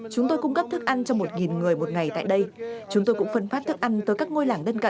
chúng tôi cung cấp thức ăn cho một người một ngày tại đây chúng tôi cũng phân phát thức ăn tới các ngôi làng đơn